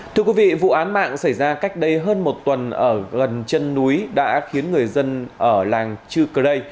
thưa quý vị vụ án mạng xảy ra cách đây hơn một tuần ở gần chân núi đã khiến người dân ở làng chư cơ rây